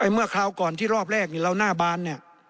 เมื่อคราวก่อนที่รอบแรกเราหน้าบานเนี่ย